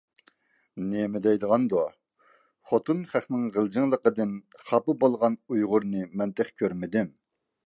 -نېمە دەيدىغاندۇ، خوتۇن خەقنىڭ غىلجىڭلىغىنىدىن خاپا بولغان ئۇيغۇرنى مەن تېخى كۆرمىدىم!